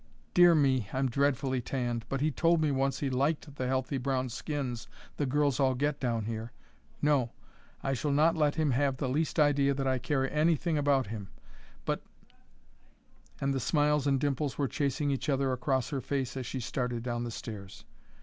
"Dear me, I'm dreadfully tanned! But he told me once he liked the healthy brown skins the girls all get down here. No; I shall not let him have the least idea that I care anything about him; but " and the smiles and dimples were chasing each other across her face as she started down the stairs.